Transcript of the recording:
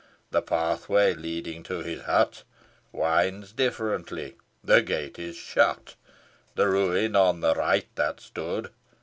The pathway leading to his hut Winds differently, the gate is shut. The ruin on the right that stood.